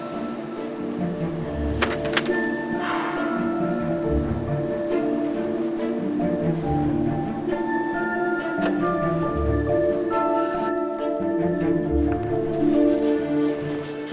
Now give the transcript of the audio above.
dan saya akan mengambil semakin banyak alih dari anda